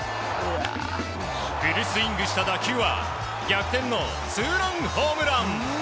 フルスイングした打球は逆転のツーランホームラン。